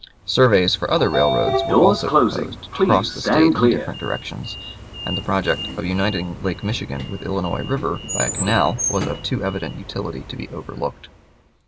Surveys for other railroads were also proposed, to cross the State in different directions; and the project of uniting Lake Michigan with the Illinois River by a canal was of too evident utility to be overlooked.